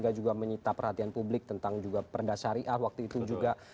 yang juga menyita perhatian publik tentang juga perdasariah waktu itu juga